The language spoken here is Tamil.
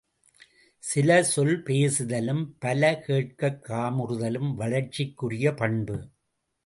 சில சொல் பேசுதலும் பல கேட்கக் காமுறுதலும் வளர்ச்சிக்குரிய பண்பு.